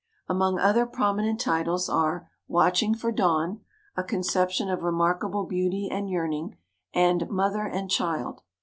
Among other prominent titles are "Watch ing for Dawn," a conception of remarkable beauty and yearning, and "Mother and Child."